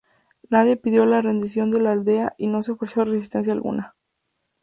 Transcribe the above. Nadie pidió la rendición de la aldea y no se ofreció resistencia alguna.